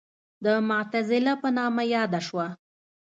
د معتزله په نامه یاده شوه.